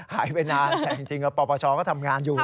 หายไปนานแต่จริงปปชก็ทำงานอยู่